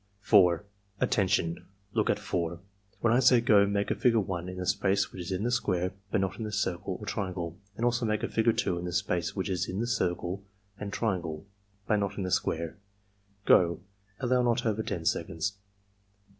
4. "Attention! Look at 4. When I say 'go' make a figure 1 in the space which is in the square but not in the circle or tri angle, and also make a figure 2 in the space which is in the circle and triangle, but not in the square. — Go!" (Allow not over 10 seconds.)